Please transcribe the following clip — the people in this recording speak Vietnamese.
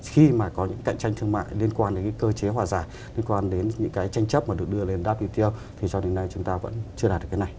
khi mà có những cạnh tranh thương mại liên quan đến cái cơ chế hòa giải liên quan đến những cái tranh chấp mà được đưa lên wto thì cho đến nay chúng ta vẫn chưa đạt được cái này